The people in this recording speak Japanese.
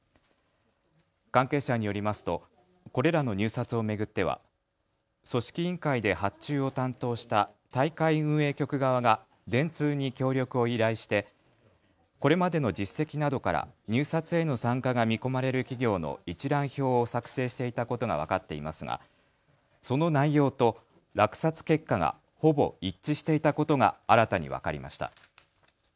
関係者によりますとこれらの入札を巡っては組織委員会で発注を担当した大会運営局側が電通に協力を依頼してこれまでの実績などから入札への参加が見込まれる企業の一覧表を作成していたことが分かっていますがその内容と落札結果がほぼ一致していたことが新たに分かりました。